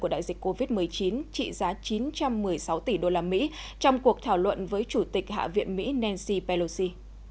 của đại dịch covid một mươi chín trị giá chín trăm một mươi sáu tỷ usd trong cuộc thảo luận với chủ tịch hạ viện mỹ nancy pelosi